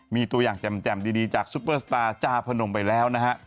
มีตัวอย่างแจ่มดีจากซุปเปอร์สตาร์จาพนมไปแล้วนะฮะ